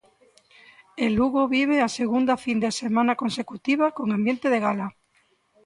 E Lugo vive a segunda fin de semana consecutiva con ambiente de gala.